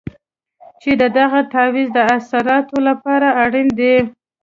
چې د دغه تعویض د اثراتو لپاره اړین دی.